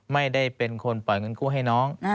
ไม่ได้เป็นคนปล่อยเงินกู้ให้น้อง